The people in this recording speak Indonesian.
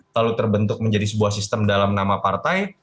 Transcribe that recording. lalu terbentuk menjadi sebuah sistem dalam nama partai